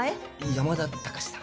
山田隆史さん。